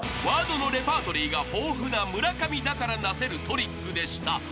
［ワードのレパートリーが豊富な村上だからなせるトリックでした］